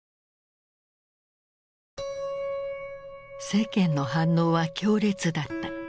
世間の反応は強烈だった。